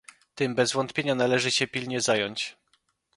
Tym bez wątpienia należy się pilnie zająć